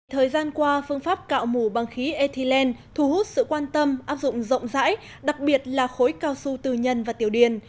thời gian qua phương pháp cạo mù bằng khí ethylene thu hút sự quan tâm áp dụng rộng rãi đặc biệt là khối cao su tư nhân và tiểu điền